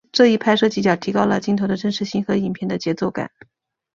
这一拍摄技巧提高了镜头的真实性和影片的节奏感。